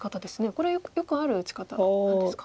これよくある打ち方なんですか。